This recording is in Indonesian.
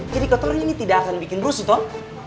jadi kotong ini tidak akan bikin brusi toh